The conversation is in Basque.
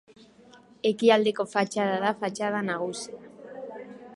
Ekialdeko fatxada da fatxada nagusia.